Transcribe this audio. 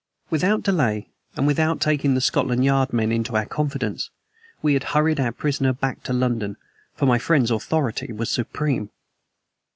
Without delay, and without taking the Scotland Yard men into our confidence, we had hurried our prisoner back to London, for my friend's authority was supreme.